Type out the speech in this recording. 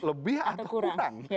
lebih atau kurang